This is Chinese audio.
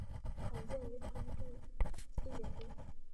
罕见遗传疾病一点通